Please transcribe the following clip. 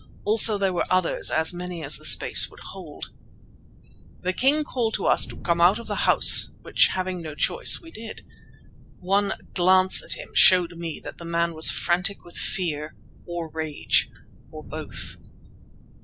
Also there were others, as many as the space would hold. The king called to us to come out of the house, which, having no choice, we did. One glance at him showed me that the man was frantic with fear, or rage, or both.